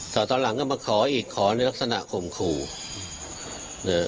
ต่อต้านหลังก็มาขออีกขอในลักษณะขมขู่เนี้ย